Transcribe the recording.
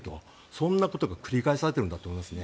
そんなことが繰り返されているんだと思いますね。